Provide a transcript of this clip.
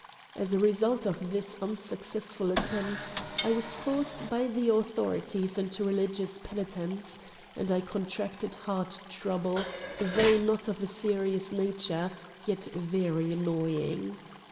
As a result of this unsuccessful attempt I was forced by the au thorities into religious penitence, and I contracted heart trouble, though not of a serious nature, yet very annoying.